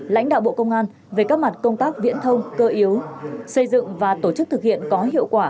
lãnh đạo bộ công an về các mặt công tác viễn thông cơ yếu xây dựng và tổ chức thực hiện có hiệu quả